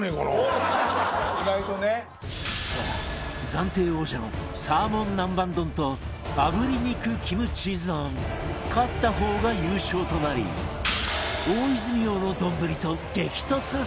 さあ暫定王者のサーモン南蛮丼とあぶり肉キムチーズ丼勝った方が優勝となり大泉洋の丼と激突する事に！